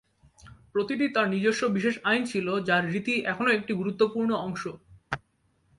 প্রতিটি তার নিজস্ব বিশেষ আইন ছিল, যার রীতি এখনও একটি গুরুত্বপূর্ণ অংশ।